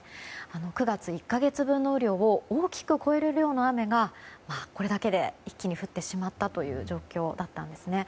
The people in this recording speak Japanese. ９月１か月分の雨量を大きく超える量の雨がこれだけで一気に降ってしまったという状況だったんですね。